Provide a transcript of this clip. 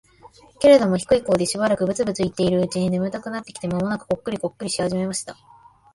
けれども、低い声でしばらくブツブツ言っているうちに、眠たくなってきて、間もなくコックリコックリし始めました。